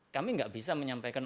kami nggak bisa menyampaikan